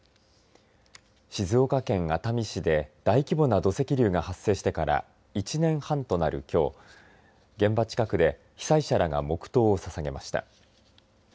静岡県熱海市で大規模な土石流が発生してから１年半となる、きょう現場近くで被災者らが黙とうをささげました。